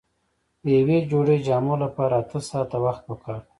د یوې جوړې جامو لپاره اته ساعته وخت پکار دی.